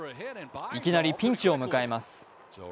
いきなりピンチを迎えます。